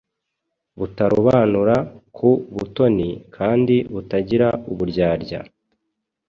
butarobanura ku butoni, kandi butagira uburyarya.